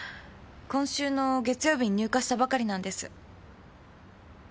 今週の月曜日に入荷したばかりなんです。